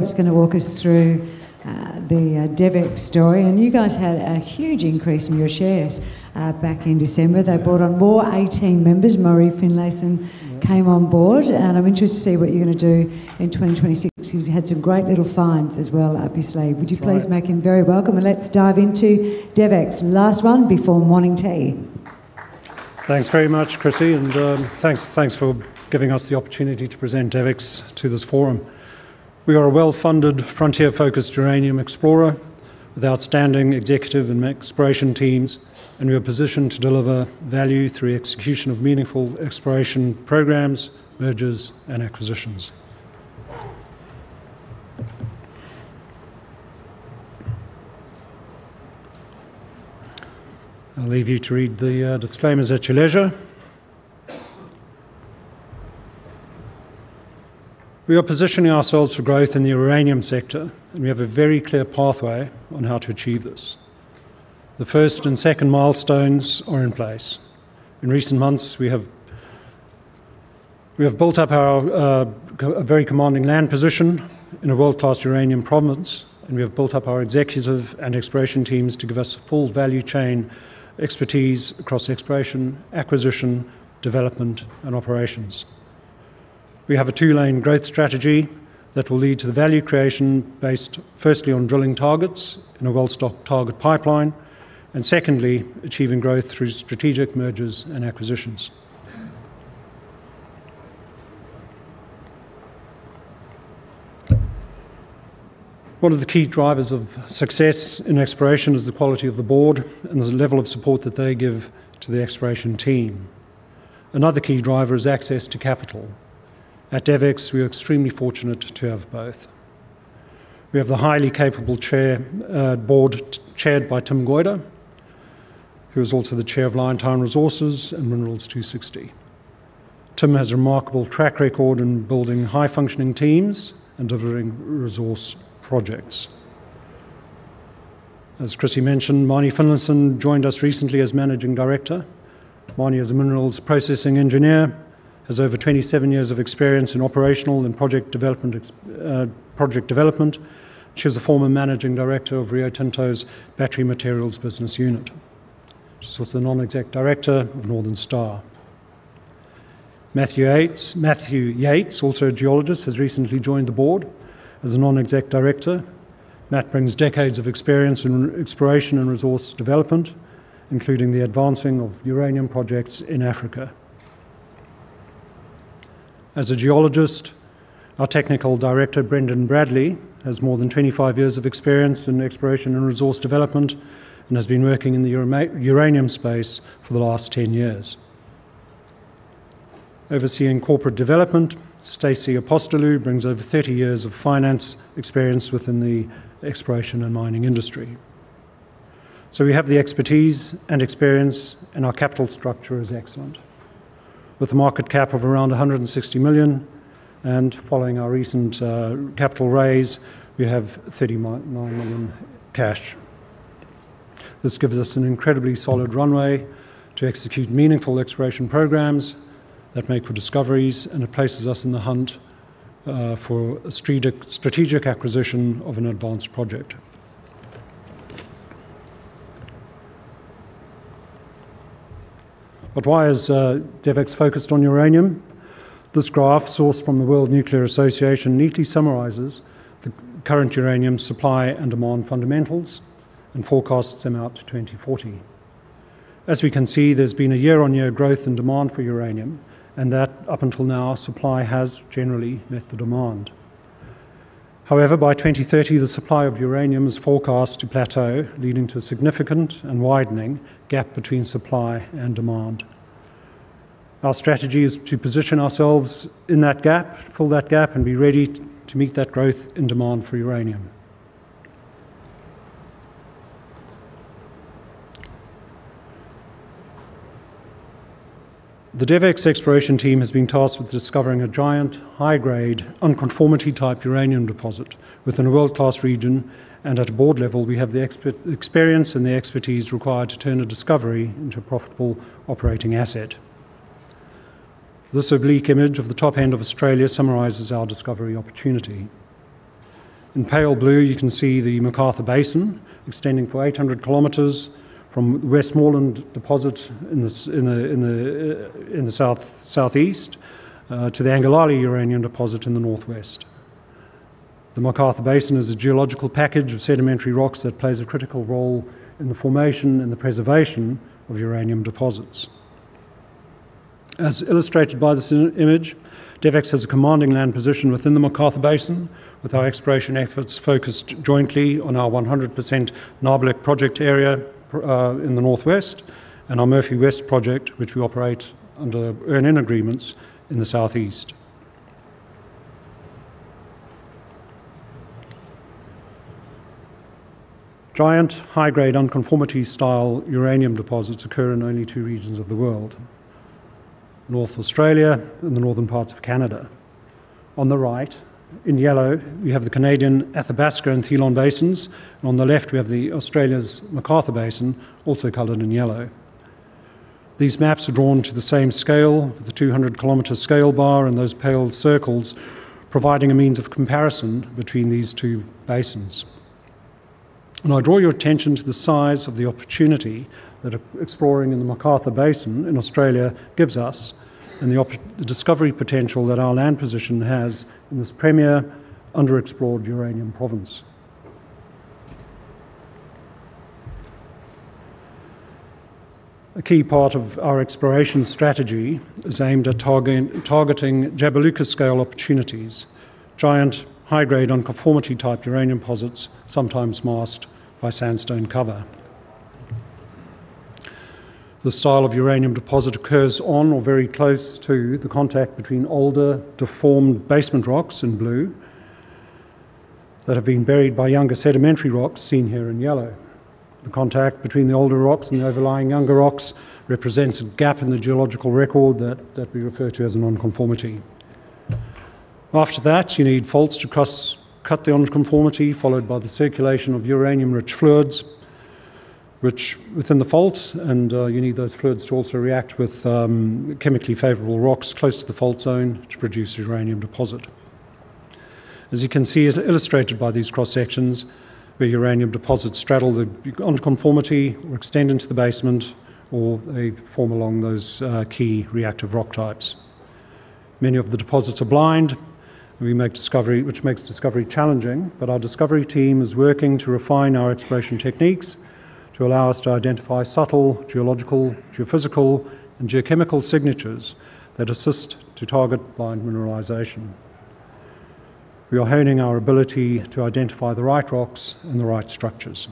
Rob's gonna walk us through the DevEx story. And you guys had a huge increase in your shares back in December- Yeah. That brought on more great team members. Marnie Finlayson. Yeah. came on board, and I'm interested to see what you're gonna do in 2026. You've had some great little finds as well, obviously. That's right. Would you please make him very welcome, and let's dive into DevEx. Last one before morning tea. Thanks very much, Chrissy, and thanks for giving us the opportunity to present DevEx to this forum. We are a well-funded, frontier-focused uranium explorer with outstanding executive and exploration teams, and we are positioned to deliver value through execution of meaningful exploration programs, mergers, and acquisitions. I'll leave you to read the disclaimers at your leisure. We are positioning ourselves for growth in the uranium sector, and we have a very clear pathway on how to achieve this. The first and second milestones are in place. In recent months, we have built up our a very commanding land position in a world-class uranium province, and we have built up our executive and exploration teams to give us full value chain expertise across exploration, acquisition, development, and operations. We have a two-lane growth strategy that will lead to the value creation based firstly on drilling targets in a well-stocked target pipeline, and secondly, achieving growth through strategic mergers and acquisitions. One of the key drivers of success in exploration is the quality of the board and the level of support that they give to the exploration team. Another key driver is access to capital. At DevEx, we are extremely fortunate to have both. We have the highly capable chair, board, chaired by Tim Goyder, who is also the chair of Liontown Resources and Minerals 260. Tim has a remarkable track record in building high-functioning teams and delivering resource projects. As Chrissy mentioned, Marnie Finlayson joined us recently as Managing Director. Marnie is a minerals processing engineer, has over 27 years of experience in operational and project development project development. She is a former managing director of Rio Tinto's Battery Materials business unit. She's also a non-exec director of Northern Star. Matthew Yates, Matthew Yates, also a geologist, has recently joined the board as a non-exec director. Matt brings decades of experience in exploration and resource development, including the advancing of uranium projects in Africa. As a geologist, our technical director, Brendan Bradley, has more than 25 years of experience in exploration and resource development and has been working in the uranium space for the last 10 years. Overseeing corporate development, Stacey Apostolou brings over 30 years of finance experience within the exploration and mining industry. So we have the expertise and experience, and our capital structure is excellent. With a market cap of around 160 million, and following our recent capital raise, we have 39 million cash. This gives us an incredibly solid runway to execute meaningful exploration programs that make for discoveries, and it places us in the hunt for a strategic, strategic acquisition of an advanced project. But why is DevEx focused on uranium? This graph, sourced from the World Nuclear Association, neatly summarizes the current uranium supply and demand fundamentals and forecasts them out to 2040. As we can see, there's been a year-on-year growth in demand for uranium, and that up until now, supply has generally met the demand. However, by 2030, the supply of uranium is forecast to plateau, leading to a significant and widening gap between supply and demand. Our strategy is to position ourselves in that gap, fill that gap, and be ready to meet that growth in demand for uranium. The DevEx exploration team has been tasked with discovering a giant, high-grade, unconformity-type uranium deposit within a world-class region, and at a board level, we have the expert experience and the expertise required to turn a discovery into a profitable operating asset. This oblique image of the top end of Australia summarizes our discovery opportunity. In pale blue, you can see the McArthur Basin extending for 800 kilometers from Westmoreland deposit in the south, southeast, to the Angularli Uranium Deposit in the northwest. The McArthur Basin is a geological package of sedimentary rocks that plays a critical role in the formation and the preservation of uranium deposits. As illustrated by this image, DevEx has a commanding land position within the McArthur Basin, with our exploration efforts focused jointly on our 100% Nabarlek Project area in the northwest and our Murphy West Project, which we operate under earn-in agreements in the southeast. Giant, high-grade, unconformity-style uranium deposits occur in only two regions of the world: North Australia and the northern parts of Canada. On the right, in yellow, we have the Canadian Athabasca and Thelon basins, and on the left, we have the Australia's McArthur Basin, also colored in yellow. These maps are drawn to the same scale, the 200-kilometer scale bar and those pale circles providing a means of comparison between these two basins. I draw your attention to the size of the opportunity that exploring in the McArthur Basin in Australia gives us, and the discovery potential that our land position has in this premier underexplored uranium province. A key part of our exploration strategy is aimed at targeting Jabiluka scale opportunities, giant high-grade unconformity-type uranium deposits, sometimes masked by sandstone cover. This style of uranium deposit occurs on or very close to the contact between older deformed basement rocks, in blue, that have been buried by younger sedimentary rocks, seen here in yellow. The contact between the older rocks and the overlying younger rocks represents a gap in the geological record that we refer to as an unconformity. After that, you need faults to cross-cut the unconformity, followed by the circulation of uranium-rich fluids, which within the fault, and you need those fluids to also react with chemically favorable rocks close to the fault zone to produce a uranium deposit. As you can see, as illustrated by these cross-sections, the uranium deposits straddle the unconformity or extend into the basement, or they form along those key reactive rock types. Many of the deposits are blind, which makes discovery challenging, but our discovery team is working to refine our exploration techniques to allow us to identify subtle geological, geophysical, and geochemical signatures that assist to target blind mineralization. We are honing our ability to identify the right rocks and the right structures.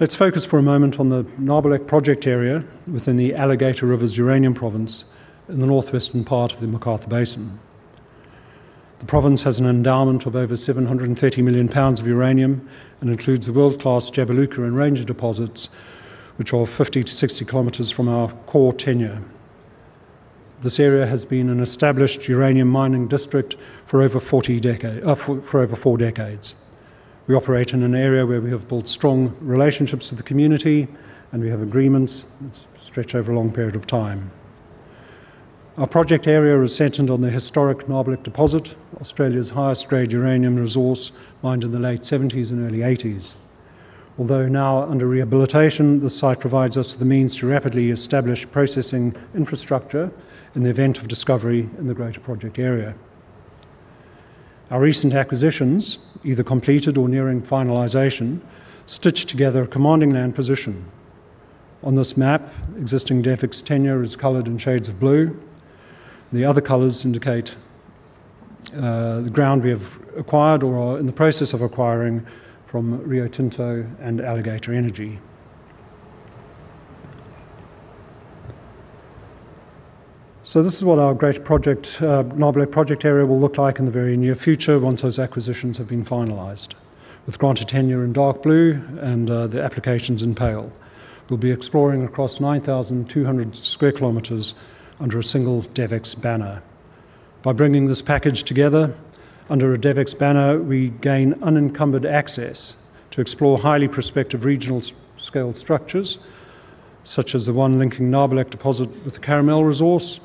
Let's focus for a moment on the Nabarlek Project Area within the Alligator Rivers Uranium Province in the northwestern part of the McArthur Basin. The province has an endowment of over 730 million pounds of uranium and includes the world-class Jabiluka and Ranger deposits, which are 50-60 kilometers from our core tenure. This area has been an established uranium mining district for over four decades. We operate in an area where we have built strong relationships with the community, and we have agreements that stretch over a long period of time. Our project area is centered on the historic Nabarlek deposit, Australia's highest grade uranium resource mined in the late 1970s and early 1980s. Although now under rehabilitation, the site provides us the means to rapidly establish processing infrastructure in the event of discovery in the greater project area. Our recent acquisitions, either completed or nearing finalization, stitch together a commanding land position. On this map, existing DevEx tenure is colored in shades of blue. The other colors indicate the ground we have acquired or are in the process of acquiring from Rio Tinto and Alligator Energy. So this is what our great project, Nabarlek Project Area will look like in the very near future once those acquisitions have been finalized. With granted tenure in dark blue and the applications in pale. We'll be exploring across 9,200 sq km under a single DevEx banner. By bringing this package together under a DevEx banner, we gain unencumbered access to explore highly prospective regional-scale structures, such as the one linking Nabarlek deposit with the Caramal resource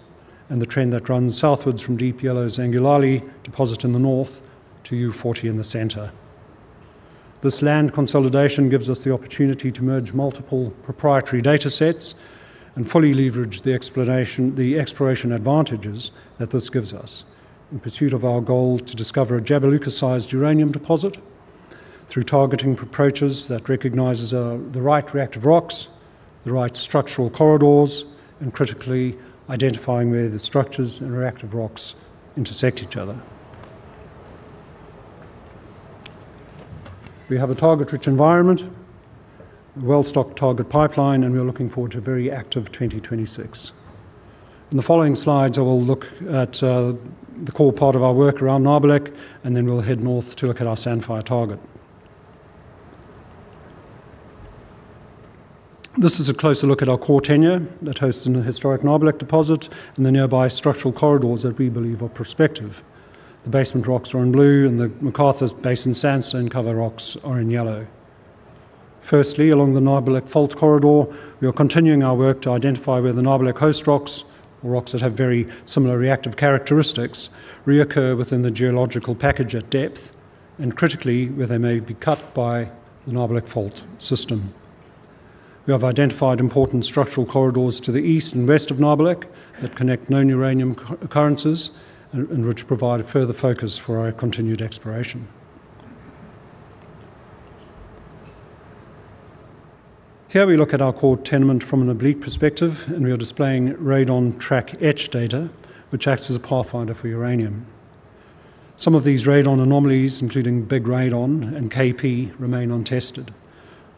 and the trend that runs southwards from Deep Yellow's Angularli deposit in the north to U40 in the center. This land consolidation gives us the opportunity to merge multiple proprietary data sets and fully leverage the exploration advantages that this gives us in pursuit of our goal to discover a Jabiluka-sized uranium deposit through targeting approaches that recognizes the right reactive rocks, the right structural corridors, and critically identifying where the structures and reactive rocks intersect each other. We have a target-rich environment, a well-stocked target pipeline, and we are looking forward to a very active 2026. In the following slides, I will look at the core part of our work around Nabarlek, and then we'll head north to look at our Sandfire target. This is a closer look at our core tenure that hosts the historic Nabarlek deposit and the nearby structural corridors that we believe are prospective. The basement rocks are in blue, and the McArthur Basin sandstone cover rocks are in yellow. Firstly, along the Nabarlek fault corridor, we are continuing our work to identify where the Nabarlek host rocks, or rocks that have very similar reactive characteristics, reoccur within the geological package at depth, and critically, where they may be cut by the Nabarlek fault system. We have identified important structural corridors to the east and west of Nabarlek that connect known uranium occurrences and which provide a further focus for our continued exploration. Here we look at our core tenement from an oblique perspective, and we are displaying Radon Track Etch data, which acts as a pathfinder for uranium. Some of these radon anomalies, including Big Radon and KP, remain untested.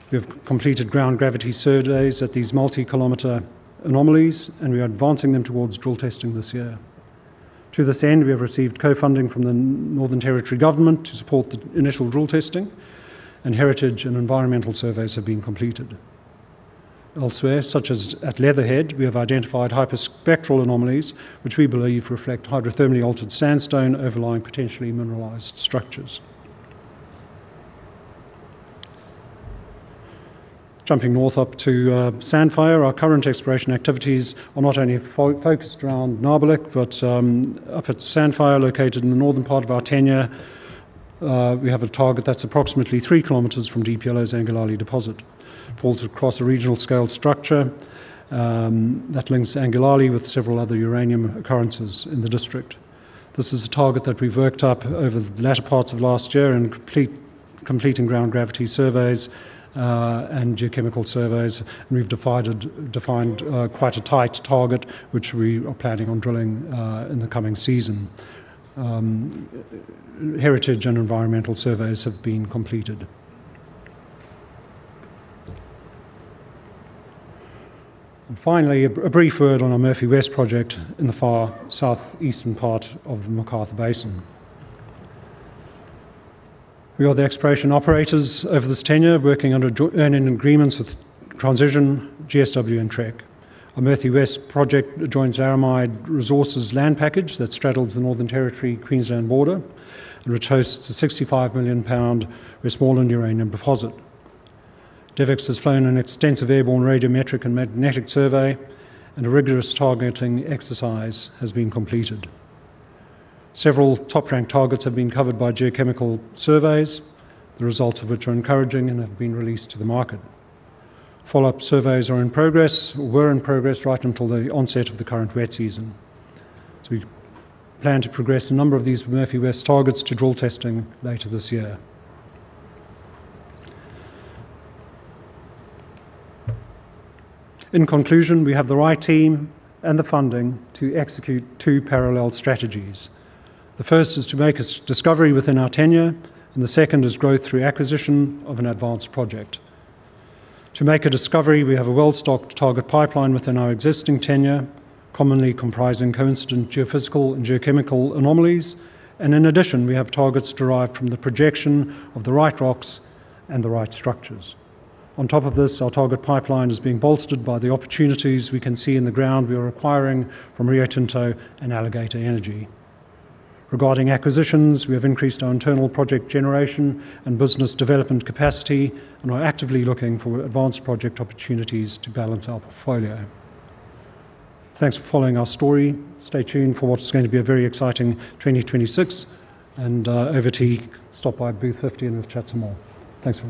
We have completed ground gravity surveys at these multi-kilometer anomalies, and we are advancing them towards drill testing this year. To this end, we have received co-funding from the Northern Territory government to support the initial drill testing, and heritage and environmental surveys have been completed. Elsewhere, such as at Leatherhead, we have identified hyperspectral anomalies, which we believe reflect hydrothermally altered sandstone overlying potentially mineralized structures. Jumping north up to Sandfire, our current exploration activities are not only focused around Nabarlek, but up at Sandfire, located in the northern part of our tenure, we have a target that's approximately three kilometers from Deep Yellow's Angularli deposit. It falls across a regional-scale structure that links Angularli with several other uranium occurrences in the district. This is a target that we've worked up over the latter parts of last year and completing ground gravity surveys and geochemical surveys, and we've defined quite a tight target, which we are planning on drilling in the coming season. Heritage and environmental surveys have been completed. And finally, a brief word on our Murphy West project in the far southeastern part of McArthur Basin. We are the exploration operators over this tenure, working under earning agreements with Transition, GSW, and Trek. Our Murphy West project adjoins Arafura Resources' land package that straddles the Northern Territory-Queensland border, and which hosts a 65 million-pound Westmoreland uranium deposit. DevEx has flown an extensive airborne radiometric and magnetic survey, and a rigorous targeting exercise has been completed. Several top-ranked targets have been covered by geochemical surveys, the results of which are encouraging and have been released to the market. Follow-up surveys are in progress or were in progress right until the onset of the current wet season. We plan to progress a number of these Murphy West targets to drill testing later this year. In conclusion, we have the right team and the funding to execute two parallel strategies. The first is to make a discovery within our tenure, and the second is growth through acquisition of an advanced project. To make a discovery, we have a well-stocked target pipeline within our existing tenure, commonly comprising coincident geophysical and geochemical anomalies, and in addition, we have targets derived from the projection of the right rocks and the right structures. On top of this, our target pipeline is being bolstered by the opportunities we can see in the ground we are acquiring from Rio Tinto and Alligator Energy. Regarding acquisitions, we have increased our internal project generation and business development capacity and are actively looking for advanced project opportunities to balance our portfolio. Thanks for following our story. Stay tuned for what is going to be a very exciting 2026, and over tea, stop by booth 50 and we'll chat some more. Thanks very much.